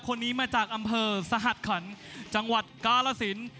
คนนี้มาจากอำเภอสหัสขันจังหวัดกาลสิน